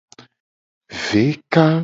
Veka.